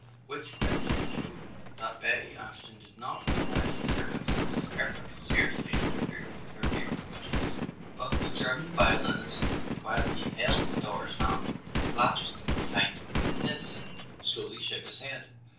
Which question showed that Betty Ashton did not realize that circumstances ever could seriously interfere with her dearest wishes. But the German violinist, while he held his daughter's hand clasped tight in his, slowly shook his head.